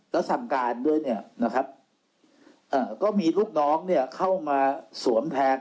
แล้วสั่งการด้วยเนี่ยนะครับก็มีลูกน้องเนี่ยเข้ามาสวมแทน